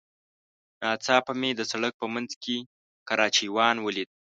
ناڅاپه مې د سړک په منځ کې کراچيوان وليد.